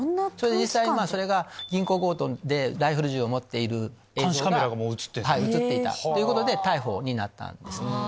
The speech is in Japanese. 実際にそれが銀行強盗でライフル銃を持っている映像が写っていたということで逮捕になったんですね。